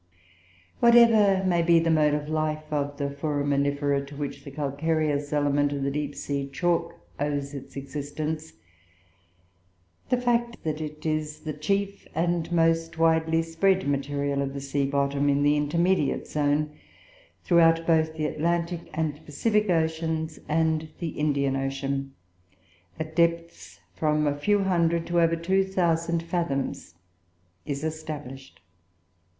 Whatever may be the mode of life of the Foraminifera, to which the calcareous element of the deep sea "chalk" owes its existence, the fact that it is the chief and most widely spread material of the sea bottom in the intermediate zone, throughout both the Atlantic and Pacific Oceans, and the Indian Ocean, at depths from a few hundred to over two thousand fathoms, is established.